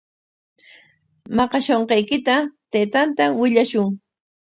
Maqashunqaykita taytanta willashun.